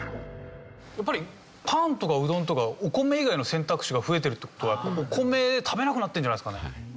やっぱりパンとかうどんとかお米以外の選択肢が増えてるって事はお米食べなくなってるんじゃないですかね。